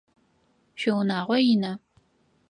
Шъуиунагъо ина?